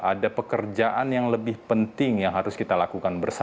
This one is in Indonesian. ada pekerjaan yang lebih penting yang harus kita lakukan bersama